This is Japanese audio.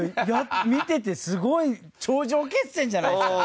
見ててすごい頂上決戦じゃないですか。